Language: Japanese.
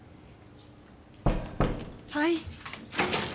・はい？